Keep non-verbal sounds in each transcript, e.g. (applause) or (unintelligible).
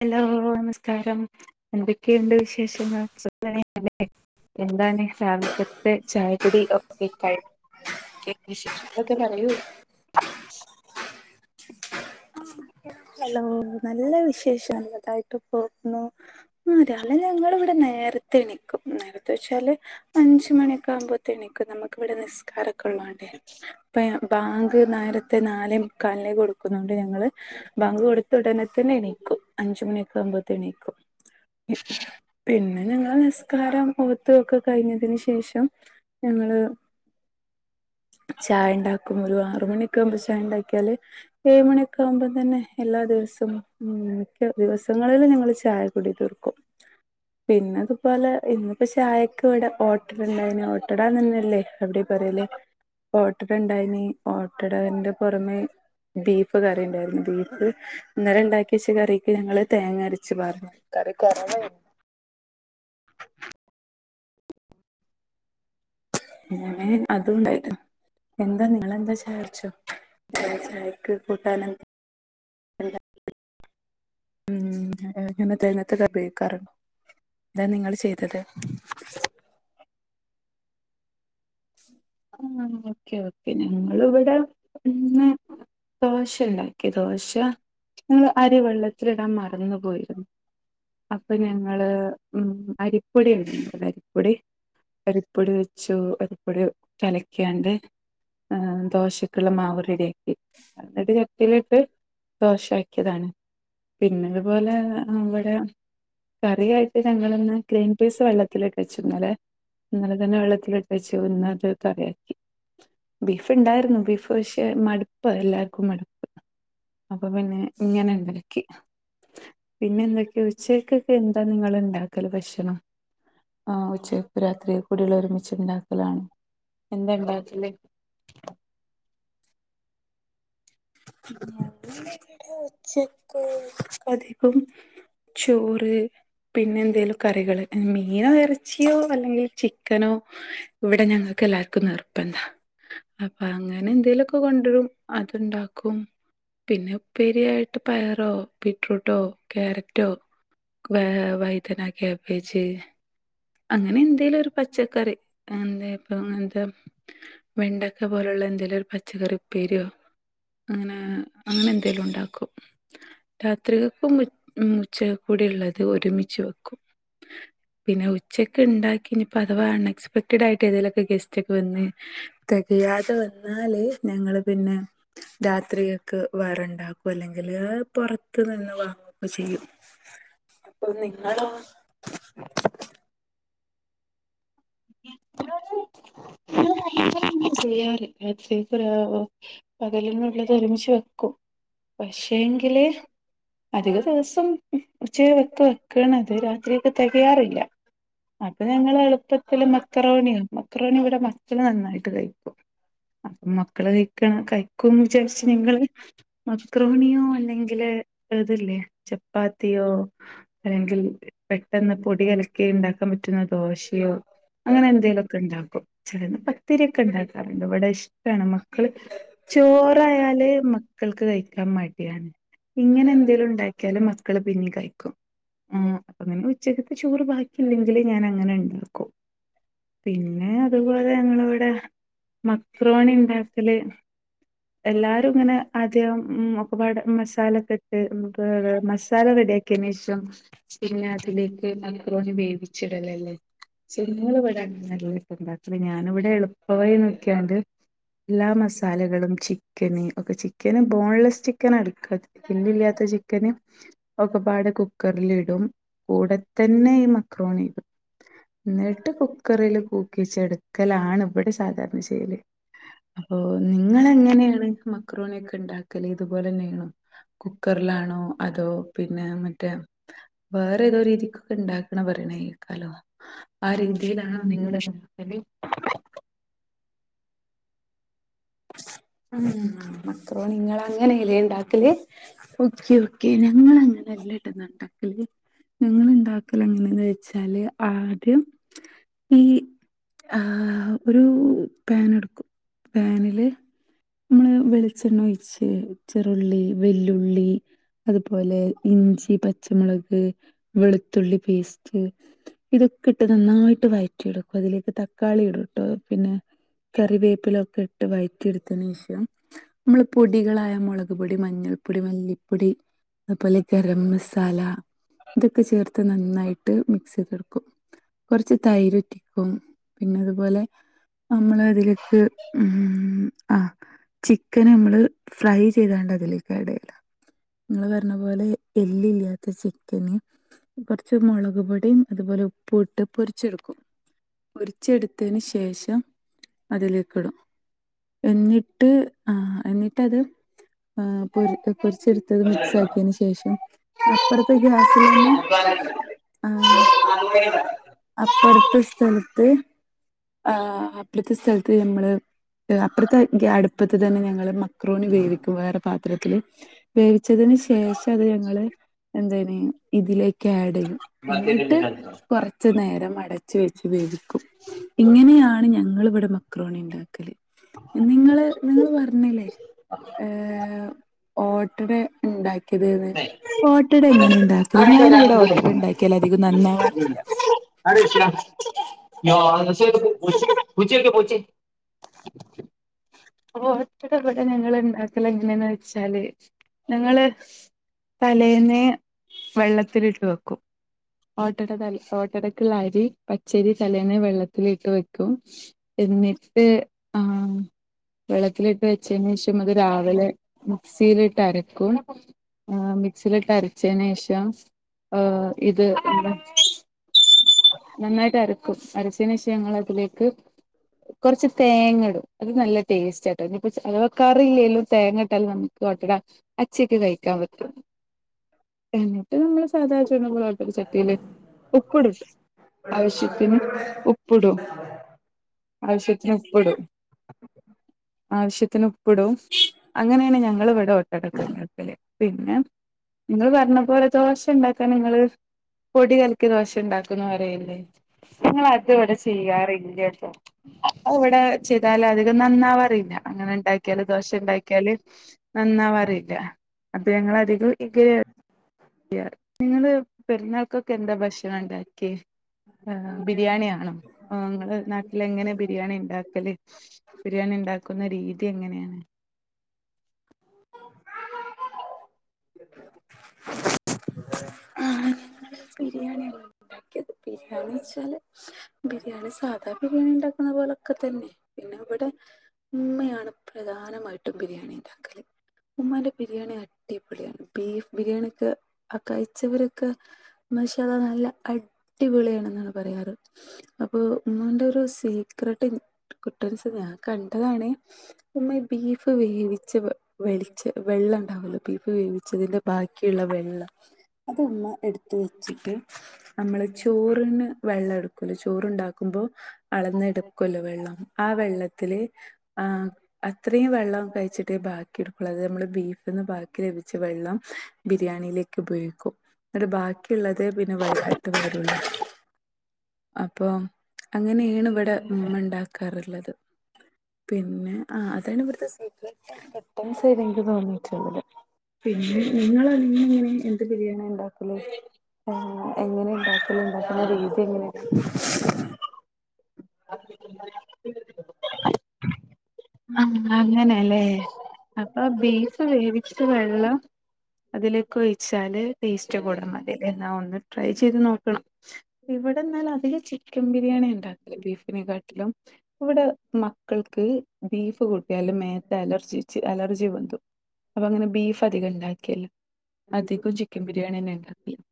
Hello നമസ്കാരം എന്തൊക്കെയുണ്ട് വിശേഷങ്ങൾ സുഖംതന്നെയല്ലെ എന്താണ് ഫാമിലിക്കത്തെ ചായകുടി ഒക്കെ കഴി (unintelligible) ഹലോ നല്ല വിശേഷം നല്ലതായിട്ട് പോകുന്നു ആഹ് രാലെ ഞങ്ങളിവിടെ നേരത്തെ എണിക്കും നേരത്തെ വെച്ചാല് അഞ്ച് മണിയൊക്കെ ആവുമ്പത്തെണീക്കും നമുക്ക് ഇവിടെ നിസ്കാര ഒക്കെ ഒള്ളോണ്ടേ ബാങ്ക് നേരത്തെ നാലെ മുക്കാല്ല്നെ കൊടു ക്കുന്നോണ്ട് ഞങ്ങള് ബാങ്ക് കൊടുത്തു ഉടനെ തന്നെ എണീക്കും അഞ്ചു മണിയൊക്കെ ആമ്പോ ണീക്കും പിന്നെ ഞങ്ങള് നിസ്കാരം ഓത്ത് ഒക്കെ കഴിഞ്ഞ് തിന് ശേഷം ഞങ്ങള് ചായണ്ടാക്കും ഒരു ആറ് മണിക്കാവുമ്പൊ ചായണ്ടാക്കിയാല് ഏഴ് മണിയൊക്കെ ആവുമ്പോം തന്നെ എല്ലാ ദിവസും ഉം ദിവസങ്ങളിൽ ഞങ്ങള് ചായ കുടിതീർക്കും പിന്നതുപോലെ ഇന്ന് പ്പ ചായക്ക് ഇവടെ ഓട്ടടണ്ടായന് ഓട്ടടാന്നനല്ലേ അവിടെ പറയല് ഓ ഓട്ടട ഇണ്ടായിനി ഓട്ടടന്റെ പൊറമേ ബീഫ് കറി ഇണ്ടാരുന്നു ബീഫ് ഇന്നലെ ഇണ്ടാക്കി വച്ച കറിക്ക് ഞങ്ങള് തേങ്ങ അരച്ച് പാർന്നു കറി കൊറവായ്ർന്നു. (inaudible) അങ്ങനെ അതുണ്ടായിനു എന്താ ആ നിങ്ങളെന്താ ചായുട്ച്ചോ? എന്താചായക്ക് കൂട്ടാനെന്താ ഉം ഇങ്ങനത്തെ (unintelligible) നിങ്ങള് ചെയ്തത് ആഹ് ഓക്കെ ഓക്കെ ഞങ്ങളിവിടെ ഇന്ന് ദോശ ഇണ്ടാക്കിയത് ദോശ ഞങ്ങൾ അരിവെള്ളത്തിലിടാൻ മറന്ന് പോയിരുന്നു അപ്പൊ ഞങ്ങള് ഉം അരിപ്പൊടി (unintelligible) അരിപ്പൊടി അരിപ്പൊടി വെച്ചു അരിപ്പൊടി കലക്കിയാണ്ട് ആഹ് ദോശക്കുള്ള മാവ് റെടിയാ ക്കി എന്നിട്ട് ചട്ടീലിട്ട് ദോശാക്കിയതാണ്. പിന്നെ അതുപോലെ ഇവടെ കറിയായിട്ട് ഞങ്ങളിന്ന് ഗ്രീൻ പീസ് വള്ളത്തിലിട്ടെച്ചു ഇന്നലെ ഇന്നലെ തന്നെ വെള്ളത്തിലിട്ടെച്ചു ഇന്നത് കറിയാക്കി ബീഫ് ഇണ്ടാക്കരുന്നു ബീഫ് പക്ഷേ മടുപ്പ എല്ലാർക്കും മടുപ്പ് അപ്പൊ പിന്നെ ഇങ്ങനെ ഇണ്ടാക്കി പിന്നെ എന്തക്ക ഉച്ചക്കൊക്കെ എന്താ നിങ്ങളിണ്ടാ ക്കല് ഭക്ഷണം ആഹ് ഉച്ചക്കു രാത്രീക്കുടീള ഒരുമിച്ചിണ്ടാക്കലാണോ? എന്താ ഇണ്ടാക്കല് ഞങ്ങളിവിടെ ഉച്ചക്ക് പ (unintelligible) ചോറ് പിന്നെ എന്തേലും കറികള് മീനോ എറച്ചിയോ അല്ലെങ്കിൽ ചിക്കനോ ഇടെ ഞങ്ങക്കെല്ലാർക്കും നിർബന്ധാ അപ്പ അങ്ങനെ എന്തേലൊക്കെ കൊണ്ടുരും അത്ണ്ടാ ക്കും പിന്നെ ഉപ്പേരിയായിട്ട് പയറോ ബീട്രൂട്ടോ ക്യാരറ്റോ വ വയ്തന കാബേജ് അങ്ങനെ എന്തേലും ഒരു പച്ചക്കറി എന്താ ഇപ്പ എന്ത വെണ്ടക്ക പോലുള്ള എന്തെലും ഒരു പച്ചക്കറി ഉപ്പേരിയോ അങ്ങനെ അങ്ങനെ എന്തെലും ഉണ്ടാക്കും രാത്രികക്ക് ഉമ്മച്ചി കൂടി ഉള്ളത് ഒരുമിച്ച് വെക്കും പിന്നെ ഉച്ചക് ഉണ്ടാക്കി ഇനിപ്പോ അഥവാ അൺഎക്സ്പെക്ടഡ ആയിട്ട് ഏതേലും ഗെസ്റ്റ് ഒക്കെ വന്ന് തെകയാതെ വന്നാല് ഞങ്ങള് പിന്നെ രാത്രികക്ക് വേറെണ്ടാക്കും അല്ലെങ്കില് പുറത്ത് ത്ത് നിന്ന് വാങ്ങക്കെ ചെയ്യും അപ്പൊ നിങ്ങളോ (unintelligible) ചെയ്യാറ് രാത്രികക്കും രാ പകലിനുള്ളത് ഒരുമിച്ച് വെക്കും പക്ഷേങ്കില് അധിക ദിവസം ഉച്ച വെക്ക വെക്കണത് രാത്രികക് തെകയാറില്ല അപ്പൊ ഞങ്ങള് എളുപ്പത്തില് മക്റോണിയോ മക്റോണി ഇവിടെ മക്കള് നന്നായിട്ട് കയ്ക്കും അപ്പൊ മക്കള് കഴിക്കണം കഴിക്കും വിചാരിച് ഞങ്ങള് മക്രോണിയോ അല്ലെങ്കില് ഇത് ല്ലേ ചപ്പാത്തിയോ അല്ലെങ്കിൽ പെട്ടെന്ന് പൊടി കലക്കി ഉണ്ടാക്കാൻ പറ്റുന്ന ദോശയോ അങ്ങനെ എന്തെങ്കലുമൊക്കെ ഉണ്ടാക്കും ചിലന്ന് പത്തിരിയൊക്കെ ഉണ്ടാക്കാറുണ്ട് ഇവിടെ ഇഷ് വണം മക്കള് ചോറായാല് മക്കൾക്ക് കഴിക്കാൻ മടിയാണ് ഇങ്ങനെ എന്തേലും ഉണ്ടാക്കിയാലും മക്കള് പിന്നീ കഴിക്കും ആഹ് അപ്പൊ അങ്ങനെ ഉച്ചകത്തെ ചോറ് ബാക്കില്ലെങ്കില് ഞാൻ അങ്ങനെ ഉണ്ടാക്കും പിന്നെ അതുപോലെ ഞങ്ങളിവിടെ മക്രോണി ഉണ്ടാക്കല് എല്ലാരും ഇങ്ങനെ ആദ്യം ഉം ഒക്കെപാട് മസാലക്കെ ഇട്ട് നമുക്ക് മസാല റെഡിയ ആക്കിയന് ശേഷം പിന്നെ അതിലേക്ക് മൈക്റോണി വേവിച്ചിടലല്ലേ ശങ്ങള് ഇവിടെ അങ്ങനല്ല ഉണ്ടാക്കല് ഞാനിവിടെ എള- പവയ നോക്കാണ്ട് എല്ലാ മസാലകളും ചി ചിക്കന് ഒക്കെ ചിക്കൻ ബോൺലെസ്സ് ചിക്കനാ എടുക്ക എല്ലില്ലാത്ത ചിക്കന് ഒക്ക പാടെ കുക്കർലിടും കൂടെത്തന്നെ ഈ മക്രോണി ഇടും എന്നിട്ട് കുക്കറിൽ കൂക്കിച്ചെടുക്കലാണ് ഇവിടെ സാധാരണ ചെയ്യല് അപ്പൊ നിങ്ങളെങ്ങനെയാണ് മക്രോണിയക്കെണ്ടാക്കല് ഇതുപോലെ തന്നെയാണോ കുക്കറിലാണോ അതോ പിന്നെ മറ്റേ വേറെ ഏതോ രീതിക്ക് ഇണ്ടാക്ണ പറയണക്കാലോ ആഹ് രീതിയിലണോ നിങ്ങള്ണ്ടാക്കല് ഉം മക്രോണി നിങ്ങളങ്ങനെലേ ഉണ്ടാക്കല് ഓക്കെ ഓക്കെ ഞങ്ങളങ്ങനെല്ലട്ടന്ന ഉണ്ടാക്കലേ ഞങ്ങള്ണ്ടാക്കല് എങ്ങനെയന്ന് വെച്ചാല് ആദ്യം ഈ ആഹ് ഒരു പാൻ എടുക്കും പാനില് മ്മള് വെളിച്ചെണ്ണ ഒഴിച്ച് ചെറുള്ളി വെല്ലുള്ളി അതുപോലെ ഇഞ്ചി പച്ചമുളക് വെളുത്തുള്ളി പേസ്റ്റ് ഇതൊക്കെ ഇട്ട് നന്നായിട്ട് വഴറ്റിെടുക്കും അതിലേക്ക് തക്കാളി ഇടുട്ടോ പിന്നെ കറിവേപ്പിലൊക്കെ ഇട്ട് വഴ എടുത്തതിന് ശേഷം നമ്മള് പൊടികളായ മുളക് പൊടി മഞ്ഞൾപ്പൊടി മല്ലിപ്പൊടി അതുപോലെ ഗരം മസാല ഇതൊക്കെ ചേർത്ത് നന്നായിട്ട് മിക്സ് ചെയ്ത് കൊടുക്കും കൊറച്ച് തൈര്റ്റിക്കും പിന്നെ അതുപോലെ നമ്മള അതിലേക്ക് ആഹ് ചിക്കന് നമ്മള് ഫ്രൈ ചെയ്താണ്ട് അതിലേക്ക് ആഡ് ചെയ്യ നിങ്ങൾ പറഞ്ഞ പോലെ എല്ലില്ലാത്ത ചിക്കന് കുറച്ച് മുളക് പൊടിയും അതുപോലെ ഉപ്പ് ഇട്ട് പൊരിച്ചെടുക്കും പൊരിച്ചെടുത്തതിന് ശേഷം അതിലേക്കിടും എന്നിട്ട് ആ എന്നിട്ടത് പൊ പൊര്ച്ചെ ട്ത്ത് മിക്സ് ആക്കിയേന് ശേഷം അപ്പർത്തെ ഗ്യാസിലെന്നെ ആഹ് അപ്പർത്തെ സ്ഥലത്ത് ആ അപ്രത്തെ സ്ഥലത്ത് ഞമ്മള് അപ്പർത്തെ അടുപ്പത്ത് തന്നെ ഞങ്ങള് മ ക്രോണി വേവിക്കും വേറെ പാത്രത്തില് വേവി ച്ചതിന് ശേഷം അത് ഞങ്ങള് എന്തനീ ഇതിലേക്ക് ആഡെയ്യും. എന്നിട്ട് കൊർച്ച് നേരം അടച്ച് വെച്ച് വേവിക്കും. ഇങ്ങനെയാണ് ഞങ്ങള്വിടെ മ ക്രോണി ഇണ്ടാക്കല് നിങ്ങള് നിങ്ങള് പർഞ്ഞില്ലേ ഏ ഓട്ടഡ ഇണ്ടാക്കിയത്ന്ന് ഓട്ടട എങ്ങനെ ഇണ്ടാക്കല് ഞാനിവിടെ ഓട്ടട ഇണ്ടാക്കിയാല് അധികം നന്നാ വാറില്ല. (inaudible) ഓടട്ട ഇവിടെ ഞങ്ങള് ഇണ്ടാക്കലെങ്ങനെയെന്ന് വെച്ചാല് ഞങ്ങള് തലേന്നെ വെള്ളത്തിലിട്ട് വെക്കും. ഓട്ടട തല ഓട്ടടക്ക്ള്ള അരി പച്ചരി തലേന്നേ വെള്ളത്തിലിട്ട് വെക്കും. എന്നിട്ട് ആഹ് വെള്ളത്തിലിട്ട് വെച്ചേന് ശേഷം അത് രാവിലെ മിക്സിയിലിട്ട് അരക്കും. ആഹ് മിക്സിലിട്ട് അരച്ചേനേശം ഇത് എന്താ നന്നായിട്ട് അരക്കും അരച്ചേനേശെ നങ്ങള് അതിലേക്ക് കൊർച്ച് തേങ്ങടും. അത് നല്ല ടേസ്റ്റ് ആട്ടോ ഇനി ഇപ്പച്ച് അതവാ കറില്ലേലും തേങ്ങ ഇട്ടാലും നമുക്ക് ഓട്ടട അച്ചേക്ക് കഴിക്കാൻ പറ്റും. എന്നിട്ട് നമ്മള് സാധാ ചുട്ണ പോലെ ഓട്ടട ചട്ടീല് ഉപ്പ്ടുട്ടോ ആവിശ്യത്തിന് ഉപ്പ്ടും ആവിശ്യത്തിന് ഉപ്പ്ടും അങ്ങനേണ് ഞങ്ങള് ഇവടെ ഓട്ടടക്കെ ണ്ടാക്കല് പിന്നെ നിങ്ങള് പറഞ്ഞ പോലെ ദോശ ഇണ്ടാക്കാ നിങ്ങള് പൊടി കലക്കിയ ദോശ ഇണ്ടാക്കുന്ന് പറയല്ല്ലേ ഞങ്ങള് അത് ഇവടെ ചെയ്യാറില്ലട്ടോ അത് ഇവടെ ചെയ്താല അധികം നന്നാവാറില്ല അങ്ങനെണ്ടാ ക്കിയാല് ദോഷ ഇണ്ടാക്കിയാല് നന്നാവാറില്ല അപ്പോ ഞങ്ങള അധികോം ഇക് ഉം ചെയ്യാ നിങ്ങള് പെരുന്നാക്കൊക്കെ എന്താ ഭക്ഷണം ഇണ്ടാക്ക്യേ ആഹ് ബിരിയാണി ആണോ? ആഹ് ഇങ്ങള് നാട്ടിലെ എങ്ങനെ ബിരിയാണി ഇണ്ടാക്കല്? ബിരിയാണി ഇണ്ടാക്കുന്ന രീതി എങ്ങനേണ് ആഹ് ഞങ്ങള് ബിരിയാണി ഇണ്ടാക്കിയത് ബിരിയാണിച്ചാല് ബിരിയാണി സാധാ ബിരിയാണി ഇണ്ടാക്ണ പോലക്കെ തെന്നെ പിന്നെ ഇവടെ ഇമ്മയാണ് പ്രധാനമായിട്ടും ബിരിയാണി ഇണ്ടാക്കല് ഉമ്മാന്റെ ബിരിയാണി അടിപൊളിയാണ് ബീഫ് ബിരിയാണി ഒക്കെ ആ കഴിച്ചവരൊക്കെ മാഷാ അള്ളാ നല്ല അടിപൊളിയണന്നാണ് പറയാറ് അപ്പൊ ഉമ്മാന്റെ ഒരു സീക്രട്ട് ഇൻ കുട്ടൻസ് ഞാൻ കണ്ടതാണ്. ഉമ്മ ഈ ബീഫ് വേവിച്ച വെ വിച്ച വെള്ളം ഇണ്ടാവല്ലോ ബീഫ് വേവിച്ചതിന്റെ ബാക്കിയുള്ള വെള്ളം അത് ഉമ്മ എട് ത്ത് വെച്ചിട്ട് നമ്മള് ചോറിന് വെള്ളം ആഹ് ഇട്ക്കൂലേ ചോറ് ഇണ്ടാക്കുമ്പോ അളന്നെടുക്കൊല്ലോ വെള്ളം ആ വെള്ളത്തില് ആഹ് അത്രീം വെള്ളം കഴിച്ചിട്ട് ബാക്കി ഇട്ക്കുള്ളൂ. അത് നമ്മള് ബീഫ്ന്ന് ബാക്കി ലഭിച്ച വെള്ളം ബിരിയാണിയിലേക്ക് ഉപയോഗിക്കും. എന്ന്ട്ട് ബാക്കിള്ളത് പിന്നെ വെള്ളായിട്ട് പാരൊള്ളു. അപ്പൊ അങ്ങനേണ് ഇവിടെ ഇമ്മ ഇണ്ടാക്കാറുള്ളത് പിന്നെ ആഹ് അതയ്ഞ്ഞ് ഇവിട്ത്തെ (unintelligible) കുട്ടൻസ് ഇൻക്ക് തോന്നിട്ടുള്ളത് പിന്നെ നിങ്ങൾ ഇങ്ങനെ എന്ത് ബിരിയാണി ഉണ്ടാ (unintelligible) എങ്ങനെ ഇണ്ടാക്കല് ഇണ്ടാക്കുന്ന രീതി എങ്ങനെയാണ് (inaudible) (unintelligible) ആഹ് അങ്ങനെല്ലേ അപ്പൊ ബീഫ് വേവിച്ച്ട്ട് വെള്ളം അതിലേക്ക് ഒഴിച്ചാല് ടേസ്റ്റ് കൂടുന്നെ ഇതൊന്ന് ട്രൈ ചെയ്ത് നോക്കണം ഇവിടെന്നാൽ അതിലെ ചിക്കൻ ബിരിയാണി ഇണ്ടാക്കി ബീഫിനെ കാട്ടിലും ഇവിടെ മക്കൾക്ക് ബീഫ് കൂട്ടിയാല് മേത്ത് അലർജി ച്ച് അലർജി പൊന്തും അപ്പൊ അങ്ങനെ ബീഫ് അധികം ഇണ്ടാക്കൽല്ല അധികും ചി ക്കൻ ബിരിയാണിന്നെ (unintelligible)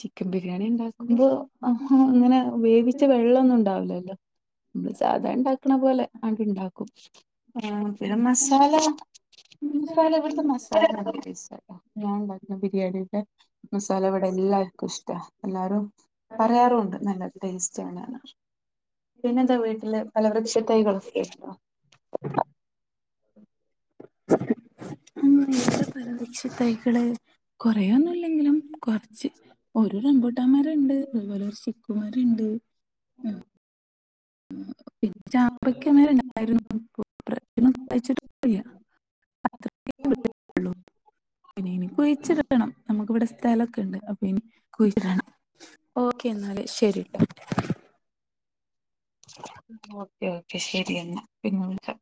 ചിക്കൻ ബിരിയാണി ഇണ്ടാക്കുമ്പോ അങ്ങനെ വേവിച്ച വെള്ളൊന്നും ഇ ണ്ടാവില്ലല്ലോ. (unintelligible) നമ്മള് സാധാ ഇണ്ടാക്ക്ണ പോലെ ആണ്ട് ഇണ്ടാക്കും. ആഹ് പിന്നെ മസാല മസാല ഇവിത്തെ മസാല (unintelligible) ഞാൻ ഇണ്ടാക്ക്ണ ബിരിയാണിയുടെ മസാല ഇവിടെ എല്ലാവർക്കും ഇഷ്ടാ എല്ലാരും പറയാറുണ്ട് നല്ല ടേസ്റ്റ് ആണാണ് പിന്നെ എന്താ വീട്ടിലെ ഫലവൃക്ഷ തൈകൾ (unintelligible) (unintelligible) തൈകള് കുറയൊന്നുംല്ലെങ്കിലും കൊർച്ച് ഒരു റമ്പൂട്ടമരണ്ട് അതുപോലെ ഒരു ചിക്കുമരണ്ട് പിന്നെ ചാമ്പക്ക മരണ്ടായിരുന്നു (unintelligible) (unintelligible) (unintelligible) പിന്നെ എനികുഴിച്ചിടണം നമുക്ക് ഇവിടെ സ്ഥലൊക്കെണ്ട് അപ്പൊ ഇനി കുഴിച്ടണം ഓക്കെ എന്നാല് ശെരിട്ടോ ഓക്കെ ഓക്കെ ശരി എന്നാ പിന്നെ വിളിക്കാം